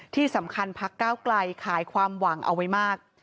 ที่สำคัญพักก้าวไกลขายความหวังเอาไว้มาก